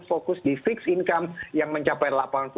fokus di fixed income yang mencapai